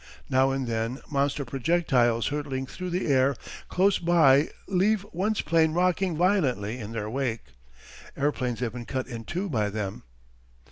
Now and then monster projectiles hurtling through the air close by leave one's plane rocking violently in their wake. Airplanes have been cut in two by them.